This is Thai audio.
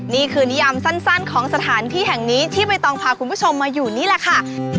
นี่คือนิยามสั้นของสถานที่แห่งนี้ที่ใบตองพาคุณผู้ชมมาอยู่นี่แหละค่ะ